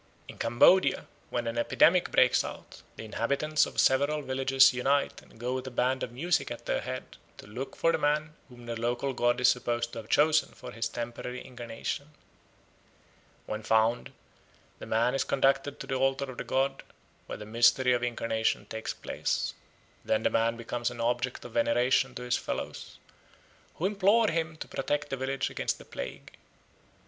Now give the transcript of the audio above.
In Cambodia, when an epidemic breaks out, the inhabitants of several villages unite and go with a band of music at their head to look for the man whom the local god is supposed to have chosen for his temporary incarnation. When found, the man is conducted to the altar of the god, where the mystery of incarnation takes place. Then the man becomes an object of veneration to his fellows, who implore him to protect the village against the plague.